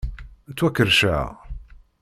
Ttwakerrceɣ.